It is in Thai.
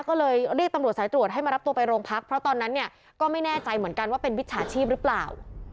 ก็เลยเรียกตำรวจสายตรวจให้มารับตัวไปโรงพักเพราะตอนนั้นเนี่ยก็ไม่แน่ใจเหมือนกันว่าเป็นมิจฉาชีพหรือเปล่า